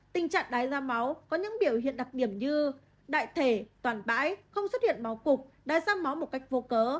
tình trạng đáy da máu có những biểu hiện đặc điểm như đại thể toàn bãi không xuất hiện máu cục đáy da máu một cách vô cớ